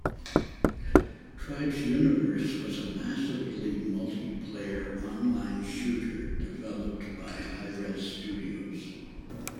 "Tribes Universe" was a massively multiplayer online shooter developed by Hi-Rez Studios.